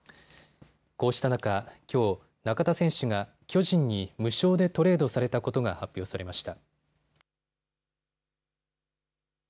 こうした中、きょう、中田選手が巨人に無償でトレードされたことが発表されました。